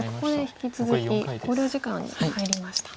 引き続き考慮時間に入りました。